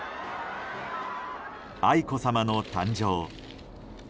愛子さまの誕生。